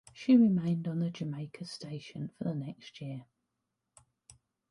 She remained on the Jamaica station for the next year.